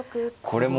これも。